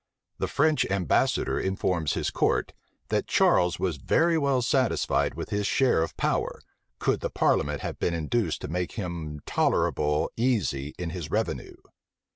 The French ambassador informs his court, that Charles was very well satisfied with his share of power, could the parliament have been induced to make him tolerable easy in his revenue.